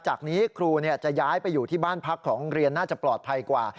จากนี้ครูจะย้ายไปอยู่ที่บ้านพักของโรงเรียนน่าจะปลอดภัยกว่า